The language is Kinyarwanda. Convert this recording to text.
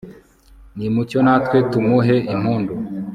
nimucyo natwe tumuhe impundu